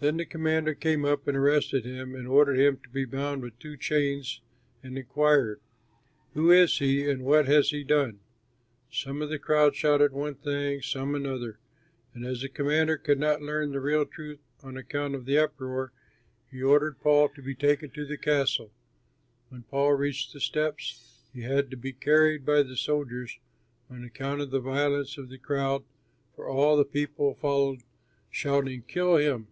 Then the commander came up and arrested him and ordered him to be bound with two chains, and inquired, "Who is he and what has he done?" Some of the crowd shouted one thing, some another; and as the commander could not learn the real truth on account of the uproar, he ordered Paul to be taken to the castle. When Paul reached the steps, he had to be carried by the soldiers on account of the violence of the crowd, for all the people followed, shouting, "Kill him!"